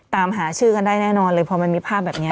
ตามหาชื่อกันได้แน่นอนเลยพอมันมีภาพแบบนี้